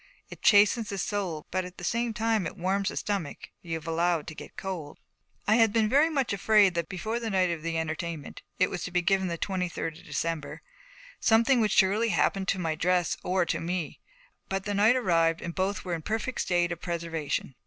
It chastens the soul but at the same time it warms the stomach you've allowed to get cold. I had been very much afraid that before the night of the entertainment, it was to be given the twenty third of December, something would surely happen to my dress or to me; but the night arrived and both were in a perfect state of preservation.